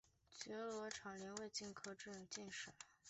觉罗长麟乙未科进士。